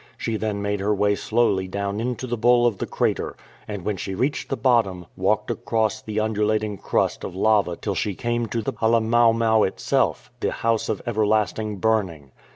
She then made her way slowly down into the bowl of the crater, and when she reached the bottom, walked across the undulating crust of lava till she came to the Halemaumau itself, the "House of Everlasting Burning."